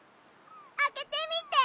あけてみて！